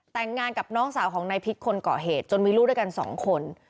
แต่งงานกับน้องสาวของนายพิษคนเกาะเหตุจนมีลูกด้วยกันสองคน